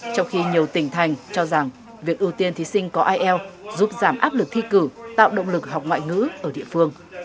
trong khi nhiều tỉnh thành cho rằng việc ưu tiên thí sinh có ielts giúp giảm áp lực thi cử tạo động lực học ngoại ngữ ở địa phương